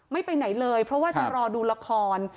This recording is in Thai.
ไม่ไปไหนเลยเพราะว่าจะรอดูละคร